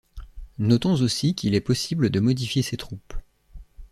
Notons aussi qu'il est possible de modifier ses troupes.